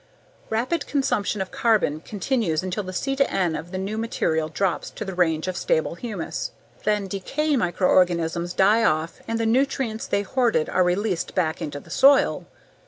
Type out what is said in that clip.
Rapid consumption of carbon continues until the C/N of the new material drops to the range of stable humus. Then decay microorganisms die off and the nutrients they hoarded are released back into the soil.